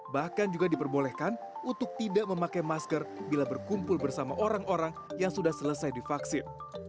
bahkan juga diperbolehkan untuk tidak memakai masker bila berkumpul bersama orang orang yang sudah selesai divaksin